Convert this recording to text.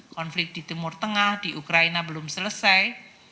konflik di timur tengah di ukraina belum selesai